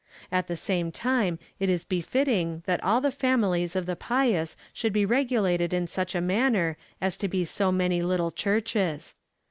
At the same time it is befitting, that all the families of the pious should be regulated in such a man ner as to be so many little Churches.